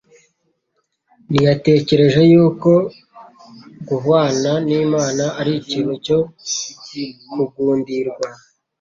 ntiyatekereje yuko guhwana n'Imana ari ikintu cyo kugundirwa,